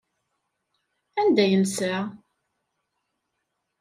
Anda yensa?